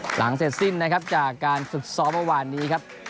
หลังเสร็จสิ้นนะครับจากการฝึกซ้อมเมื่อวานนี้ครับ